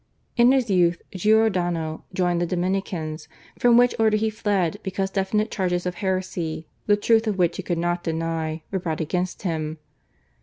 In his youth Giordano joined the Dominicans, from which order he fled because definite charges of heresy, the truth of which he could not deny, were brought against him.